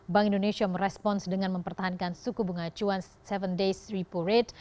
bank indonesia merespons dengan mempertahankan suku bunga acuan tujuh days repo rate